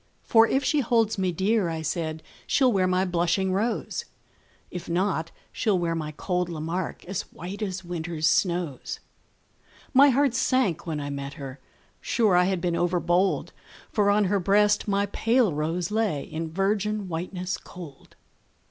For if she holds me dear, I said, She'll wear my blushing rose; If not, she'll wear my cold Lamarque, As white as winter's snows. My heart sank when I met her: sure I had been overbold, For on her breast my pale rose lay In virgin whiteness cold.